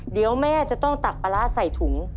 เดี๋ยวแม่จะต้องตักปลาร้าใส่ถุง